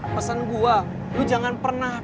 pesen gua lu jangan pernah